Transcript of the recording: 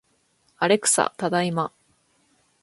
アレクサ、ただいま